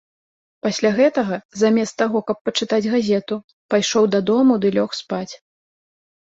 Пасля гэтага, замест таго, каб пачытаць газету, пайшоў дадому ды лёг спаць.